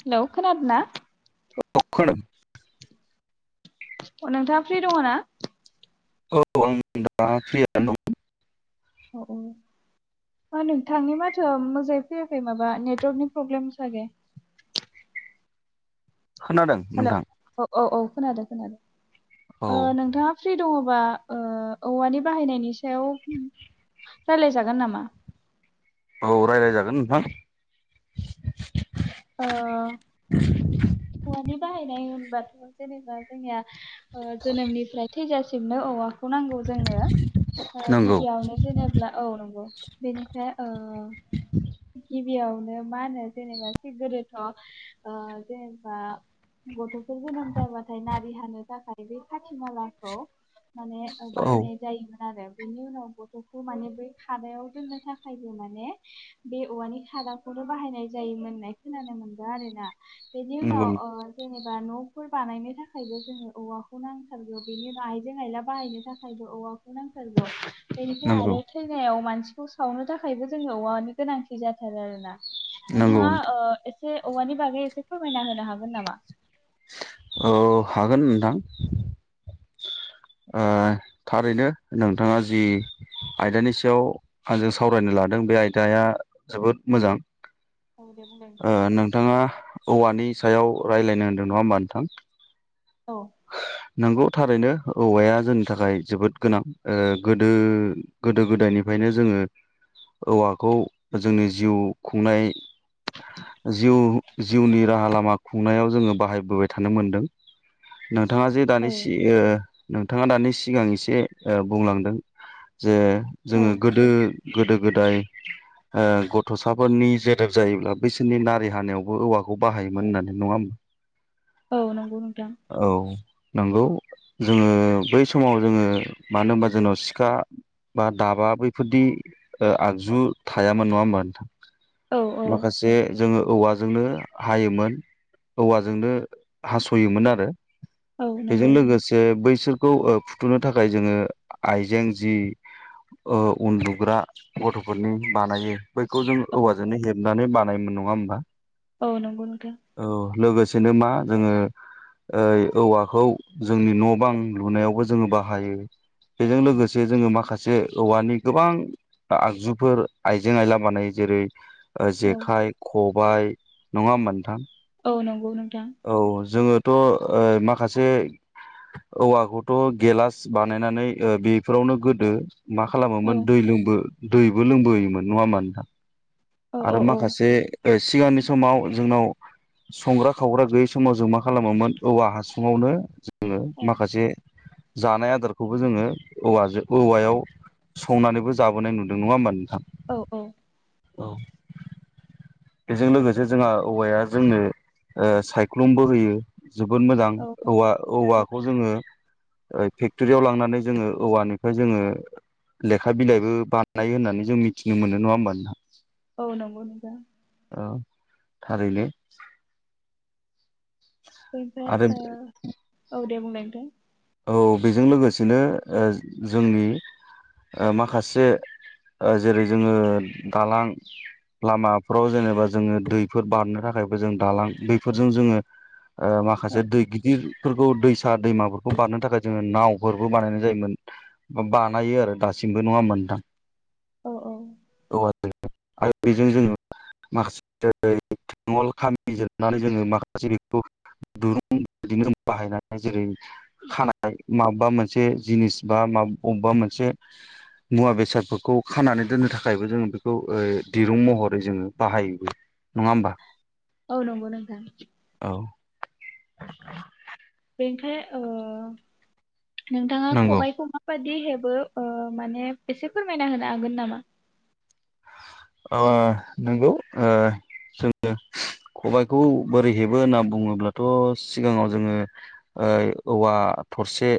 Hello खोनादोना [unintelligible] अ नोंथाङा free दङना औ आं दा प्रियानो दं अ अ मा नोंथांनि माथोआ मोजाङै फैयाखै माबा नेटवारकनि प्रब्लेम सागे खोनादों हेल' नोंथां औ औ खोनादो खोनादो औ ओ नोंथाङा फ्रि दङ ओ औवानि बाहायनायनि सायाव रायलाय जागोन नामा औ रायलायजागोन नोंथां ओ औवानि बाहायनाय होमबाथ जेनेबा जोंनिया ओ‌ जोनोमनिफ्रायथ थैजासिमनो औवाखौ नांगौ। जोंनो ओ नंगौ गिबियावनो जेनेब्ला औ नंगौ बेनिफाय ओ गिब बियावनो मा होनो जेनेबा थिग गोदोथ ओ जेनेबा गथ'फोर जोनोम जाबाथाय नारि हानो थाखाय बे खाथि मालाखौ माने ओ औ बाहायनाय जायोमोन आरो। बिनि उनाव गथ'खौ माने बै खादायाव दोननो थाखायबो माने बे औवानि खादाखौनो बाहायनाय जायोमोनो। खोनानो मोनदों आरो ना। बेदि नंगौ उनाव ओ जेनेब बा न'फोर बानायनो थाखायबो जोंङो औवाखौ नांथारगौ बेनि बाय आइजें आयला बानायनो थाखायबो औवाखौ नांथारगौ। बेनिफ्राय नंगौ आरो थैनायाव मानसि सिखौ सावनो थाखायबो जोंङो औवानि गोनांथि जाथारो आरो ना। नंगौ नोंथांङा ओ। एसे औवानि बागै एसे फोरमायना होनो हागोन नामा? औ हागोन नोंथां ओ थारैनो नोंथाङा जि आयदानि सेयाव आंजों सावरायनो लादों बे आयदाया जोबोद मोजां। औ दे बुंलाय नोंथां ओ नोंथाङा औवानि सायाव रायलायनो होनदों नङा होमबा नोंथां। औ। नोंगौ थारैनो औवाया जोंनि थाखाय जोबोद गोनां ओ गोदो गोदो गोदायनिफायनो जोंङो औवाखौ जोंनि जिउ खुंनाय जिउ जिउनि राहा लामा खुंनायाव जोंङो बाहायबोबाय थानो मोनदों। नोंथांङा जि दानि औ सि ओ नोंथाङा दानि सिगां एसे ओ बुंलांदों। जे जोंङो औ गोदो। गोदो गोदाय ओ गथ'साफोरनि जोदोब जायोब्ला बैसोरनि नारि हानायावबो औवाखौ बाहायोमोन होननानै नङा होम औ नोंगौ नोंथां औ नोंगौ। जोंङो बै समाव जोंङो मानो होनबा जोंनाव सिखा बा दाबा बैफोरदि ओ आगजु थायामोन नङा होमबा नोंथां। औ औ माखासे। जोंङो औवाजोंनो हायोमोन औवाजोंनो हास'योमोन आरो। ओ। औ बेजों नंगौ लोगोसे बैसोर खौ ओ फुथुनो थाखाय जोंङो आइजें जि ओ उन्दुग्रा गथ'फोरनि बानायो बैखौ जों औ औवाजोंनो हेबनानै बा लायोमोन नङा ओमबा औ नोंगौ नोंथां जेनोमा जोंङो। ओय औवाखौ जोंनि न' बां लुनायावबो जोंङो बाहायो। बेजों लोगोसे जोंङो माखासे औवानि गोबां आगजुफोर आइजें आइला बानायो जेरै- औ जेखाइ खबायाइ नङा होमबा नोंथां? औ नंगौ नोंथां। थ' ओ माखासे औवाखौथ' गेलास बानायनानै बेफोरावनो गोदो। मा औ खालामोमोन दै लोंबो। दैबो लोंबोयोमोन नङा होमबा नोंथां। औ औ आरो औ माखासे। सिगांनि समाव जोंनाव संग्रा खावग्रा गैयै समाव जों मा खालामोमोन औवा हासुङावनो जो जोङो औ माखासे। जानाय आदारखौबो जोङो औवाजो औ। संनानैबो जाबोनाय नुदों नङा होमबा नोंथां? औ-औ। औ बेजों लोगोसे जोंहा औवाया जोंनो ओ सायख्लुमबो होयो। जोबोद मोजां औ औवा-औवाखौ जोङो। ओ फेक्टरियाव लांनानै जोङो औवानिफाय जोङो लेखा बिलाइबो बानायो होननानै जों मिथिनो मोनो नङा होमबा नोंथां। औ नंगौ नोंजा। औ थारैनो। बै फे आरो ओ औ। दे बुंनाय ओनथां। औ बेजों लोगोसेनो ओ जोंनि माखासे ओ जेरै- जोङो दालां लामाफ्राव जेनेबा जोङो दैफोर बारनो थाखायबो जों दालां बैफोरजों जोङो। औ माखासे दै गिदिर। फोरखौ दैसा दैमाफोर खौ बारनो थाखाय जोङो नावफोरबो बानायनाय जायोमोन बा-बानायो आरो दासिमबो नङा ओमबा नोंथां। औ औ [unintelligible] [unintelligible] जेरै खानाय माबेबा मोनसे जिनिस बा मा अबेबा मोनसे मुवा बेसादफोरखौ खानानै दोननो थाखायबो जोङो बेखौ दिरुं महरै जोङो बाहायोबो नङा होमबा। औ नंगौ नोंथां। औ [unintelligible] ओमफाय ओ। नोंथाङा नंगौ खबाइखौ माबा दि हेबो ओ माने एसे फोरमायना होनो हागोन नामा। ओ नोंगौ ओ जोङो खबायखौ बोरै हेबो होनना बुङोब्लाथ' सिगाङाव जोङो ओ औवा थरसे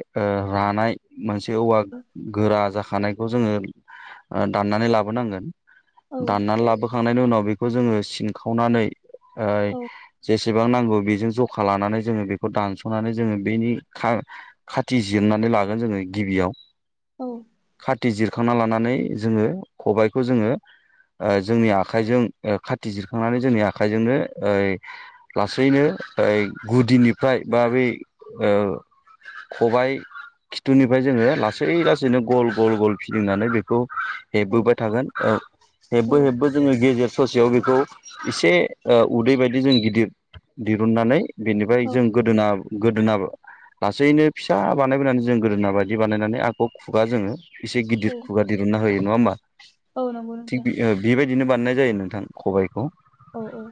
रानाय मोनसे औवा औ गोरा जाखानायखौ जोङो दाननानै लाबोनांगोन। औ दानना लाबोख खांनायनि उनाव बेखौ जोङो सिनखावनानै। ओय औ जेस। बेसेबां नांगौ बेजों जखा लानानै जोङो बेखौ दानस'नानै जोङो बेनि खा खाथि जिरनानै लागोन जोङो गिबियाव औ खाथिजिर सुखांना लानानै जोङो खबायाइखौ जोङो जोंनि आखाइजों ओ खाथि जिरखांनानै जोंनि आखाइजोंनो ओ लासैनो ओ गुदिनिफ्राय बा बै ओ खबाय खिथुनिफ्राय जोङो लासै लासैनो गल गल गल फिदिंनानै बेखौ औ हेबोबाय थागोन औ औ हेबबो हेबबो जोङो गेजेर ससे याव बेखौ एसे उदै बायदि जों गिदिर दिरुननानै बेनिफ्राय जों गोदोना गोदोनाबो लासैनो फिसा बानायबोनानै जों गोदोना बायदि बानायनानै आखौ खुगा जोङो एसे औ गिदिर खुगा दिरहुनना होयो नङा होनबा औ नंगौ थिग नोंथां ओ बेबाय दिनो बानाय नाय जायो नोंथां खबाइखौ। औ औ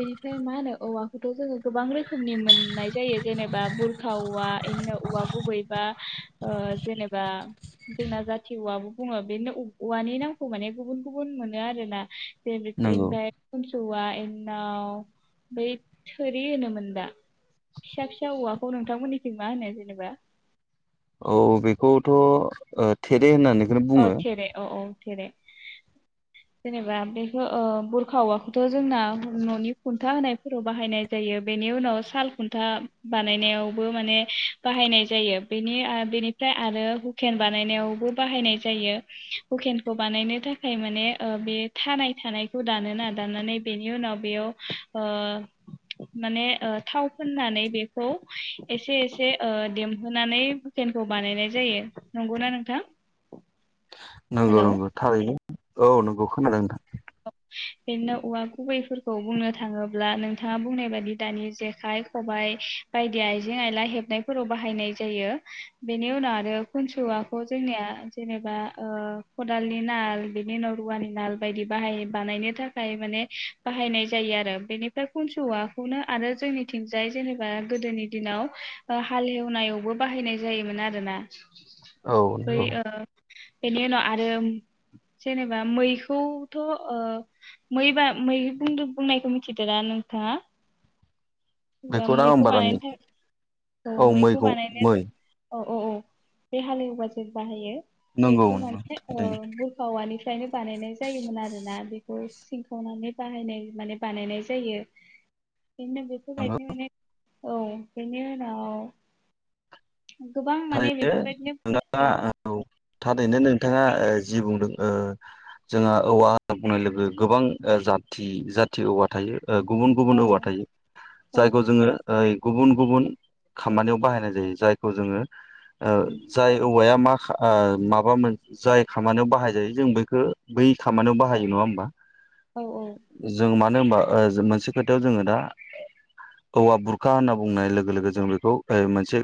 बेनिफ्राय मा होनो औवाखौथ' जोङो गोबां रोखोमनि मोननाय जायो जेनेबा बुरखा औवा बेदिनो औवा गुबैबा ओ जेनेबा जोंना जाथि औवाबो बुङो बेनो औवानि नामखौ माने गुबुन गुबुन मोनो आरोना। नंगौ [unintelligible] औवा एनिउनाव बै थोरि होनोमोन दा फिसा फिसा औवाखौ नोंथांमोननिफ्राय मा होनो जेनेबा? औ बेखौथ' ओ थेरे होननानै अ थेरे अ अ थेरे जेनेबा बेखौ ओ बुरखा औवाखौथ' जोंना न'नि खुन्था होनायफोराव बाहायनाय जायो। बेनि उनाव साल खुन्था बानायनायावबो माने बाहायनाय जायो। बेनि बेनिफ्राय आरो हुकेन बानायनायावबो बाहायनाय जायो हुकेनखौ बानायनो थाखाय माने ओ बे थानाय थानायखौ दानोना दानानै बेनि उनाव बेयाव ओ माने ओ थाव फोननानै बेखौ एसे एसे ओ देमहोनानै हुकेनखौ बानायनाय जायो। नंगौना नोंथां? नंगौ हेलौ नंगौ थारैनो औ नंगौ खोनादों नोंथां। बेनिउनाव औवा गुबैफोरखौ बुंनो थाङोब्ला नोंथाङा बुंनाय बादि दानि जेखाइ खबाइ बायदि आइजें आयला हेबनायफोराव बाहायनाय जायो बेनि उनाव आरो खुनसु औवाखौ जोंनिया जेनेबा ओ खदालनि नाल बेनि उनाव रुवानि नाल बायदि बाहायो बानायनो थाखाय माने बाहायनाय जायो आरो बेनिफ्राय खनसु औवाखौनो आरो जोंनिथिंजाय जेनेबा गोदोनि दिनाव ओ हालेवनायावबो बाहायनाय जायोमोन आरोना। औ बै नंगौ ओ बेनि उनाव आरो जेनेबा मैखौ थ' ओ मैबा मै बुंनायखौ मिथिदा नोंथाङा? बेखौ दा आं मैखौ बारा बानायनो थाखाय औ मैखौ बानायनाय औ अ औ बे हालेवबा जे बाहायो नंगौ बेखौ नंगौ माने ओ थारैनो बोखावालि नो बानायनाय जायोमोन आरोना बेखौ सिनखावनानै बाहायनाय माने बानायनाय जायो [unintelligible] माने औ बिनि उनाव गोबां माने बेफोरबायदिनो थायो दा औ थारैनो नोंथाङा जि बुंदों ओ जोंहा औवा बुंनाय लोगो गोबां जाथि जाथि औवा थायो गुबुन गुबुन औ औवा थायो औ जायखौ जोङो, ओ गुबुन-गुबुन खामानियाव बाहायनाय जायो जायखौ जोङो। ओ उम, जाय औवाया मा। ओ माबा मोन जाय खामानियाव बाहाय जायो जों बैखौ बै खामानियाव बाहायो नङा होमबा। औ औ। नो होनबा ओ जों मोनसे खोथायाव जोङो दा औवा बुरखा होनना बुंनाय लोगो लोगो जों बेखौ मोनसे।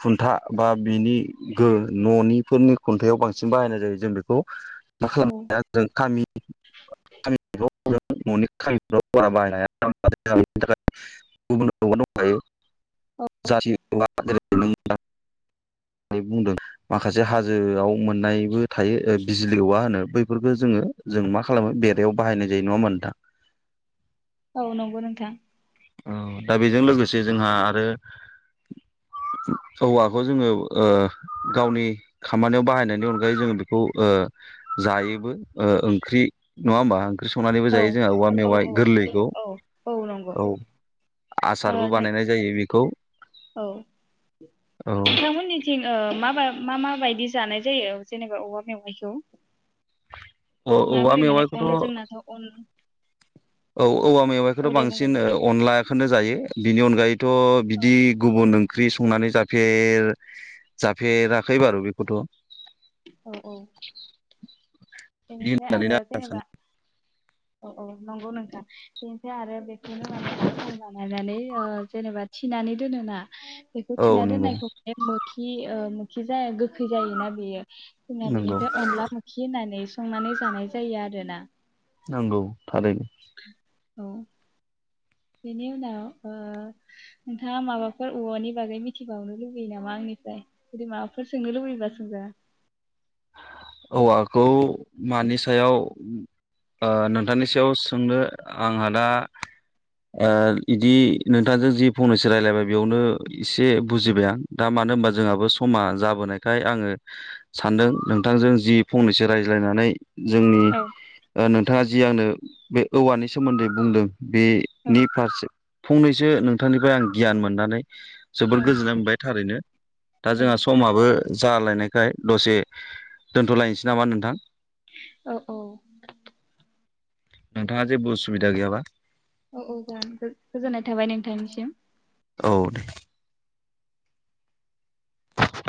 खुन्था बा बिनि गोहो न'निफोरनि खुन्थायाव बांसिन बाहायनाय जायो जों बेखौ। औ [unintelligible] [unintelligible] [unintelligible] [unintelligible] [unintelligible] बुंदों माखासे हाजोआव मोननायबो थायो बिजलिऔवा होनो बैफोरखो जोङो जों मा खालामो बेरायाव बाहायनाय जायो नङा होमबाथ नोंथां। औ नंगौ नोंथां। दा बेजों लोगोसे जोंहा आरो औवाखौ जोङो ओ गावनि खामानियाव बाहायनायनि अनगायै जोङो बेखौ ओ जायो। ओ ओंख्रि। नङा होमबा। ओंख्रि संनानैबो औ जायो जोंहा औवा औ मेवाइ औ गोरलैखौ औ औ नंगौ औ। ओ आसारबो नों बानायनाय जायो बेखौ। औ औ नोंथांमोननिथिं ओ मा-माबा। मा मा बायदि जानाय जायो जेनेबा औवा मेवाइखौ। औ औवा माबोरै माने मेवाइखौथ' अन जोंनाथ' अन। औ औवा मेवाइखौथ' औ दे बुंदों बांसिन नोंथां अनलाखौनो जायो। बिनि अनगायै। थ' औ बिदि गुबुन ओं ख्रि संनानै जाफेर जाफेराखै बारु बेखौथ'। औ औ [inaudible] बिदि बेनिफ्राय आरो होननानैनो आं जेनेबा सानो औ औ नंगौ नोंथां। बेनिफ्राय आरो बेखौनो माने बानायनानै ओ जेनेबा थिनानै दोनोना। बेखौ औ थिना नंगौ दोननायखौ मोखि ओ मो खि जाया गोखै जायोना बेयो। जोंना नंगौ बेनिफ्राय अनला फाखि होनानै। संनानै जानाय जायो आरोना। नंगौ। थारैनो। औ बेनि उनाव ओ नोंथाङा माबाफोर औवानि बागै मिथिबावनो लुबैयो नामा आंनिफ्राय जुदि माबाफोर सोंनो लुबैयोबा सोंजा। औवाखौ मानि सायाव। ओ नोंथांनि सायाव सोंनो आंहा दा ओ बिदि नोंथांजों जि फंनैसो रायलायबाय बेयावनो एसे बुजिबाय आं दा मानो होनबा जोंहाबो समा जाबोनायखाय आङो सानदों नोंथांजों जि फंनैसो रायज्लायनानै जोंनि औ ओ नोंथाङा जि आंनो बे औवानि सोमोन्दै बुंदों। औ बेनि फारसे फंनैसो नोंथांनिफ्राय आं गियान मोननानै जोबोद गोजोननाय मोनबाय थारैनो दा औ जोंहा समाबो जालायनायखाय दसे दोनथ'लायनोसै नामा नोंथां। औ औ नोंथाङा जेबो उसुबिदा गैयाबा। औ औ जागोन गोजोननाय थाबाय नोंथांनिसिम। औ दे